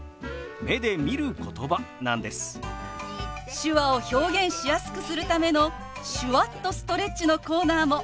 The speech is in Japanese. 手話を表現しやすくするための「手話っとストレッチ」のコーナーも。